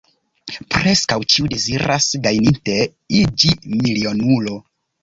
Preskaŭ ĉiu deziras gajninte iĝi milionulo.